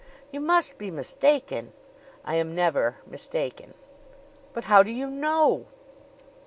"You must be mistaken." "I am never mistaken." "But how do you know?"